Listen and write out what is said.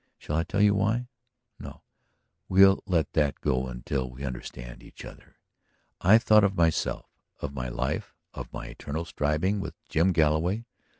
Shall I tell you why? No; we'll let that go until we understand each other. I thought of myself, of my life, of my eternal striving with Jim Galloway.